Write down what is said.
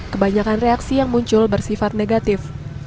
kebanyakan reaksi yang muncul bersifat negatif